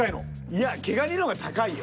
いや毛ガニの方が高いよ。